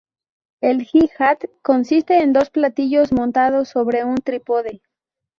El hi-hat consiste en dos platillos, montados sobre un trípode.